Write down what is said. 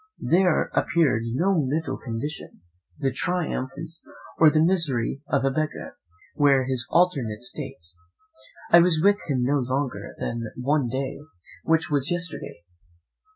There appeared no middle condition; the triumph of a prince, or the misery of a beggar, were his alternate states. I was with him no longer than one day, which was yesterday.